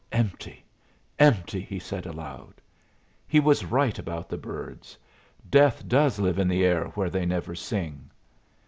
"Empty! Empty!" he said, aloud. "He was right about the birds. Death does live in the air where they never sing."